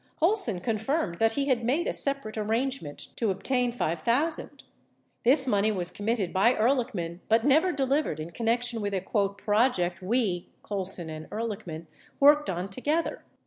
Col son confirmed that he had made a separate arrangement to obtain five thousand. This money was committed by Ehrlieh man but never delivered in connection with a "project we (Colson and Ehrlichman) worked on together."